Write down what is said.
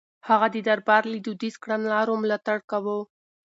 هغه د دربار له دوديزو کړنلارو ملاتړ کاوه.